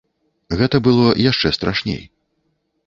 Гэта было яшчэ страшней.